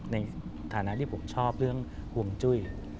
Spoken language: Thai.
ในฐานะที่ผมชอบเรื่องห่วงจุ้ย